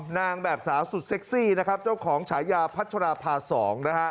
นางแบบสาวสุดเซ็กซี่นะครับเจ้าของฉายาพัชราภา๒นะฮะ